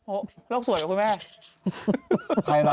โอ้ยโรคสวยหรือครับคุณแม่